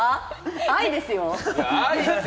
愛ですよ。